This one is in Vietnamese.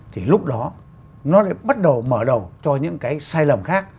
thì lúc đó nó lại bắt đầu mở đầu cho những cái sai lầm khác